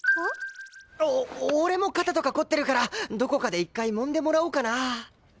お俺も肩とか凝ってるからどこかで一回揉んでもらおうかな。